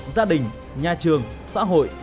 gia đình nhà trường xã hội